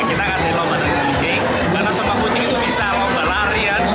kita kan di lomba tersebut karena semua kucing itu bisa lomba larian